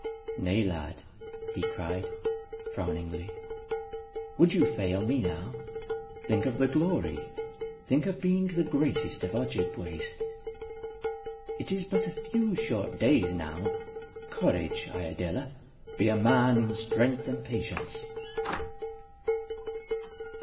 "Nay, lad," he cried, frowningly. "Would you fail me now? Think of the glory, think of being the greatest of Ojibways. It is but a few short days now. Courage, Iadilla, be a man in strength and patience."